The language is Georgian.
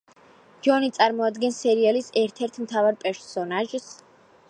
ჯონი წარმოადგენს სერიალის ერთ-ერთ მთავარ პერსონაჟს.